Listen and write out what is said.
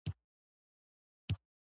احمد تل په پردیو لانجو کې گوتې وهي